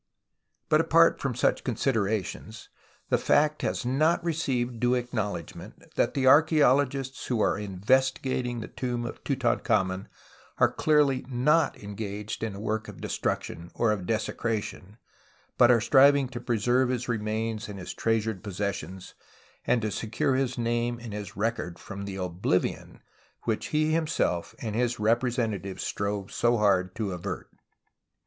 But, apart from such considerations, the fact has not received due acknowledgment that the archfeologists w^ho are investigating the tomb of Tutankhamen are clearly not engaged in a work of destruction or of desecration, but are striving to preserve his remains and his treasured possessions, and to secure his name and his record from the oblivion which he himself and his representatives strove so hard to avert.